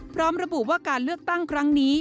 พร้อมระบุว่าการเลือกตั้งครั้งนี้